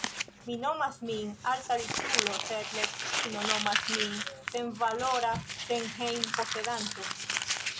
Mi nomas min alta riĉulo sed la edzino nomas min senvalora senhejm-posedanto